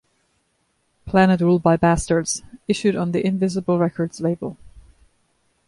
Planet Ruled By Bastards, issued on the Invisible Records label.